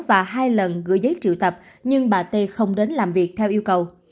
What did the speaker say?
và hai lần gửi giấy triệu tập nhưng bà t không đến làm việc theo yêu cầu